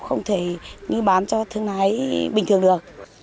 không thể như bán cho thương lái bình thường được